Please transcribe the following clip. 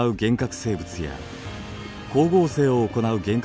生物や光合成を行う原核